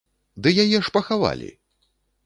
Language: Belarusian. Ды яе ж пахавалі!